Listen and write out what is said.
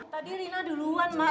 tadi rina duluan mak